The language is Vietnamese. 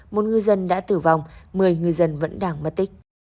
một ngư dân đã tử vong một mươi ngư dân vẫn đang mất tích